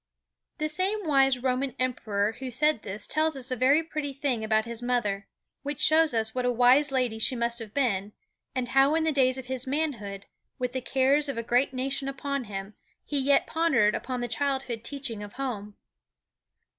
_ The same wise Roman emperor who said this tells us a very pretty thing about his mother, which shows us what a wise lady she must have been, and how in the days of his manhood, with the cares of a great nation upon him, he yet pondered upon the childhood teaching of home.